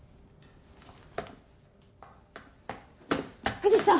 藤さん！